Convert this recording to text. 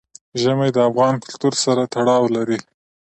ژمی د افغان کلتور سره تړاو لري.